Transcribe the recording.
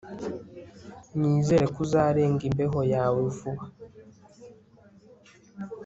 Nizere ko uzarenga imbeho yawe vuba